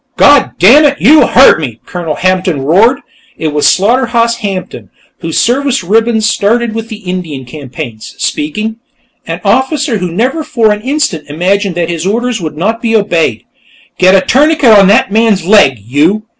"Goddammit, you heard me!" Colonel Hampton roared. It was Slaughterhouse Hampton, whose service ribbons started with the Indian campaigns, speaking; an officer who never for an instant imagined that his orders would not be obeyed. "Get a tourniquet on that man's leg, you!"